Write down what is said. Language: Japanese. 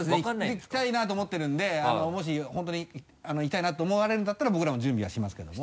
行きたいなと思ってるんでもし本当に行きたいなと思われるんだったら僕らも準備はしますけども。